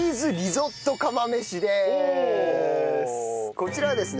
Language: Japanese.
こちらはですね